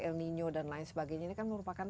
el nino dan lain sebagainya ini kan merupakan